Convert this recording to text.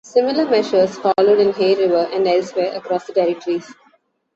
Similar measures followed in Hay River and elsewhere across the Territories.